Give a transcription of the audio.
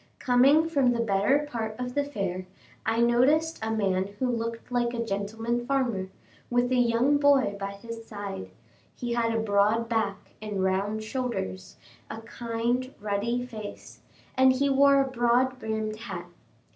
Coming from the better part of the fair, I noticed a man who looked like a gentleman farmer, with a young boy by his side; he had a broad back and round shoulders, a kind, ruddy face, and he wore a broad brimmed hat.